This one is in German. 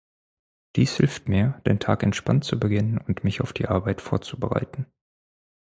Dies hilft mir, den Tag entspannt zu beginnen und mich auf die Arbeit vorzubereiten.